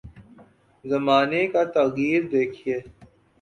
زمانے کا تغیر دیکھیے۔